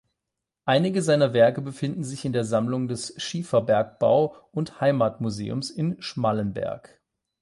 Einige seiner Werke befinden sich in der Sammlung des Schieferbergbau- und Heimatmuseums in Schmallenberg.